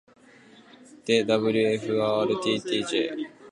で ｗｆｒｔｔｊ